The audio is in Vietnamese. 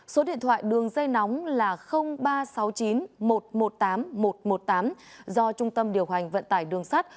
số điện thoại đường dây nóng là ba sáu chín một một tám một một tám do trung tâm điều hành vận tải đường sắt